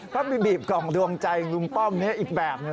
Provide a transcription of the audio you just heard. ก็มีบีบกล่องดวงใจลุงป้อมเนี่ยอีกแบบ